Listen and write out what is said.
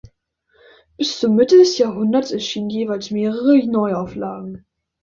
Bis zur Mitte des Jahrhunderts erschienen jeweils mehrere Neuauflagen.